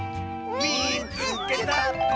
「みいつけた！」。